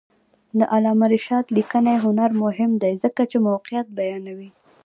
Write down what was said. د علامه رشاد لیکنی هنر مهم دی ځکه چې موقعیت بیانوي.